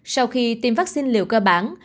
sau khi tiêm vaccine liệu cơ bản